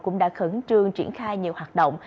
cũng đã khẩn trương triển khai nhiều hoạt động